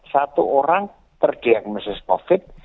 satu orang terdiagnosis covid